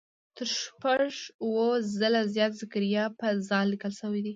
تر شپږ اووه ځله زیات زکریا په "ذ" لیکل شوی.